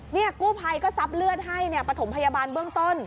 นี่กู้ภัยก็ซับเลือดให้ปฐมพยาบาลเบื้องต้น